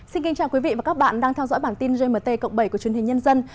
xin kính chào quý vị và các bạn đang theo dõi bản tin gmt cộng bảy của truyền hình nhân dân